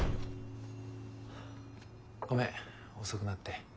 ごめん遅くなって。